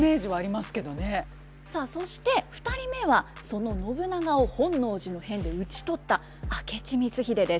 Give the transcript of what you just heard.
さあそして２人目はその信長を本能寺の変で討ち取った明智光秀です。